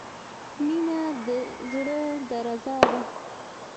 • مینه د زړۀ درزا ده.